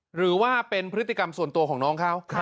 หรือว่าเป็นพฤติกรรมส่วนตัวของน้องเขา